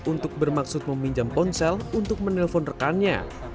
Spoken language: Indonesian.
untuk bermaksud meminjam ponsel untuk menelpon rekannya